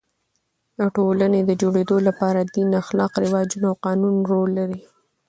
د ټولني د جوړېدو له پاره دین، اخلاق، رواجونه او قانون رول لري.